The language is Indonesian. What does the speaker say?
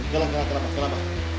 jalan jalan jalan mbak